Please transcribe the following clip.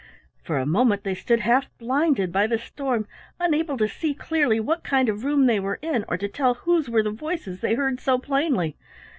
For a moment they stood half blinded by the storm, unable to see clearly what kind of room they were in or to tell whose were the voices they heard so plainly.